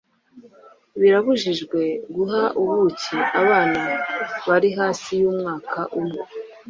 birabujijwe guha ubuki abana bari hasi y’umwaka umwe